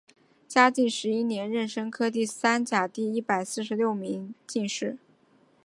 嘉靖十一年壬辰科第三甲第一百四十六名进士。